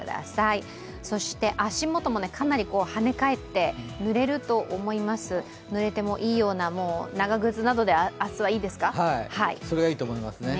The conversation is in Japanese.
雨に負けない服装でお出かけ出勤してくださいそして足元もかなり跳ね返ってぬれると思いますぬれてもいいような長靴などで明日はいいですか。